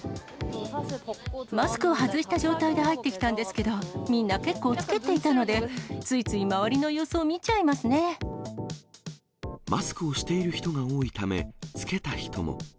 マスクを外した状態で入ってきたんですけど、みんな結構着けていたので、ついつい周りの様子を見ちゃいまマスクをしている人が多いため、着けた人も。